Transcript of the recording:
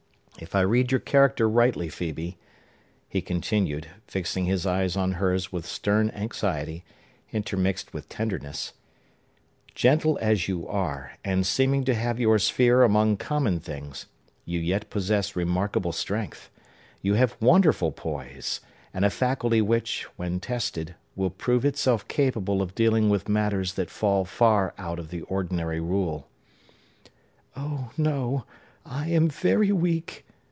If I read your character rightly, Phœbe," he continued, fixing his eyes on hers with stern anxiety, intermixed with tenderness, "gentle as you are, and seeming to have your sphere among common things, you yet possess remarkable strength. You have wonderful poise, and a faculty which, when tested, will prove itself capable of dealing with matters that fall far out of the ordinary rule." "Oh, no, I am very weak!"